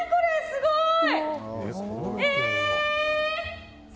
すごい！